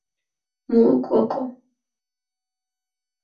მუ გოკო